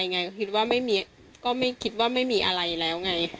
แล้วก็เบาเอียดไปนะคิดว่าไม่มีอะไรแล้วไง